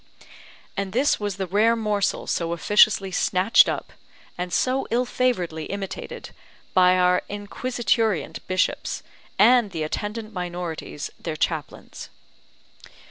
And this was the rare morsel so officiously snatched up, and so ill favouredly imitated by our inquisiturient bishops, and the attendant minorites their chaplains.